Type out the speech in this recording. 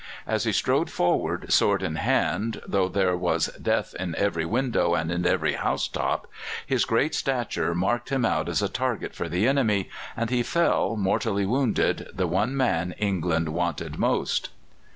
As he strode forward, sword in hand, though there was death in every window and on every house top, his great stature marked him out as a target for the enemy, and he fell, mortally wounded, the one man England wanted most.